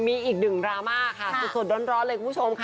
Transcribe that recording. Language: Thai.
มีอีกหนึ่งดราม่าค่ะสดร้อนเลยคุณผู้ชมค่ะ